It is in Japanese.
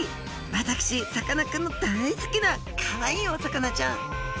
私さかなクンの大好きなかわいいお魚ちゃん！